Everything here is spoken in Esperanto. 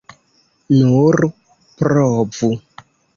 Nur provu.